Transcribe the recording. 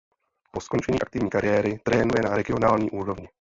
Po skončení aktivní kariéry trénuje na regionální úrovni.